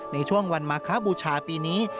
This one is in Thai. ในช่วงวันมาคบูชาปีนี้